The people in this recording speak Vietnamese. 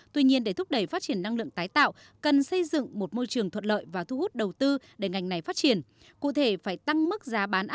tuy nhiên để thúc đẩy phát triển năng lượng tái tạo cần xây dựng một môi trường thuật lợi và thu hút đầu tư để ngành này phát triển